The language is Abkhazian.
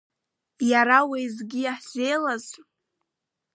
Иара уеизгьы иаҳзеилаз?